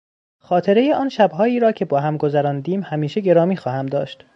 خاطرهی آن شبهایی را که با هم گذراندیم همیشه گرامی خواهم داشت.